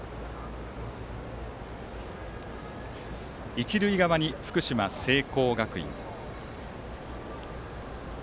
一塁側に福島・聖光学院。